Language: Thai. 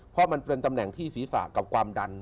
เพราะมันเป็นตำแหน่งที่ศีรษะกับความดัน